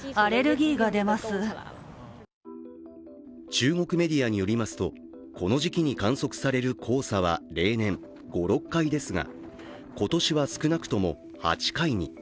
中国メディアによりますと、この時期に観測される黄砂は例年５６回ですが今年は少なくとも８回に。